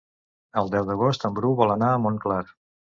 El deu d'agost en Bru vol anar a Montclar.